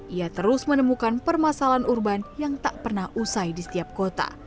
ia terus menemukan permasalahan urban yang tak pernah usai di setiap kota